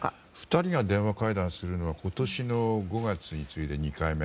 ２人が電話会談するのは今年の５月に次いで２回目。